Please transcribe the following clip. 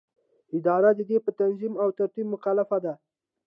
اداره د دې په تنظیم او ترتیب مکلفه ده.